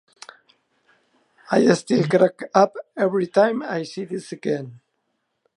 I still crack up every time I see this again.